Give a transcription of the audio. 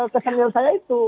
kesemir saya itu